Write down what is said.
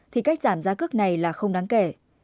thì cách giảm giá cước này là không đáng kể